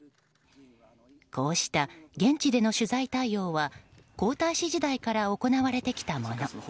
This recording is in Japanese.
こうした現地での取材対応は皇太子時代から行われてきたもの。